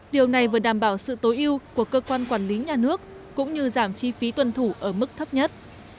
điều này vừa đảm bảo sự tối ưu của cơ quan quản lý nhà nước cũng như giảm chi phí tuân thủ ở mức thấp nhất